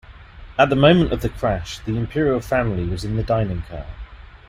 At the moment of the crash, the imperial family was in the dining car.